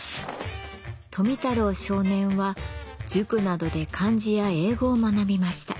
富太郎少年は塾などで漢字や英語を学びました。